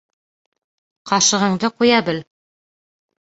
Ҡашығыңды ҡуя бел.